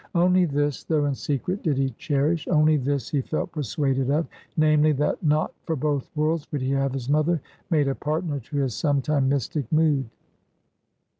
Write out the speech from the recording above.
Only this, though in secret, did he cherish; only this, he felt persuaded of; namely, that not for both worlds would he have his mother made a partner to his sometime mystic mood.